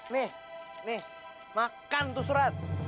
nih nih makan tuh surat